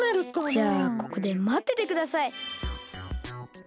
じゃあここでまっててください。